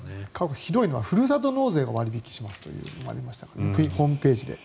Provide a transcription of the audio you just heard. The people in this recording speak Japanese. ひどいのはふるさと納税を割引するというのがありましたホームページで。